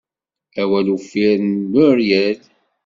Awal uffir d Muiriel.